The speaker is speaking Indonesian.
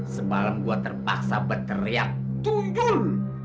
semalam gue terpaksa berteriak turun